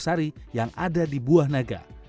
sari yang ada di buah naga